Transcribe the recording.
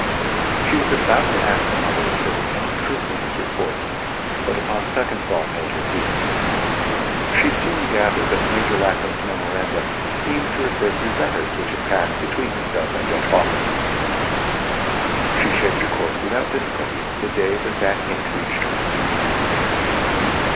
She was about to ask her mother if there was any truth in these reports, but upon second thought held her peace. She soon gathered that Major Lackland's memoranda seemed to refer to letters which had passed between himself and Judge Hawkins. She shaped her course without difficulty the day that that hint reached her.